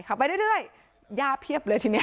ขับไปเรื่อยเรื่อยย่าเพียบเลยทีเนี้ย